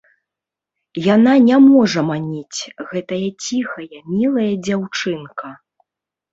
Яна не можа маніць, гэтая ціхая мілая дзяўчынка!